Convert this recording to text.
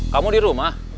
kamu di rumah